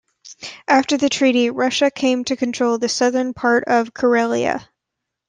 After the treaty, Russia came to control the southern part of Karelia.